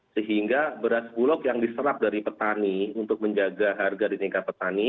sehingga beras bulog yang diserap dari petani untuk menjaga harga di tingkat petani